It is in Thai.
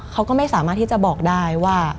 เขาก็ไม่สามารถที่จะบอกได้ว่า